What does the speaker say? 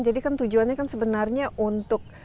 jadi kan tujuannya kan sebenarnya untuk